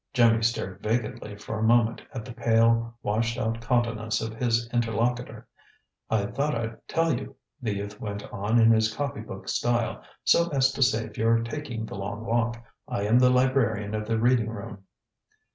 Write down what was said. Jimmy stared vacantly for a moment at the pale, washed out countenance of his interlocutor. "I thought I'd tell you," the youth went on in his copy book style, "so as to save your taking the long walk. I am the librarian of the Reading room."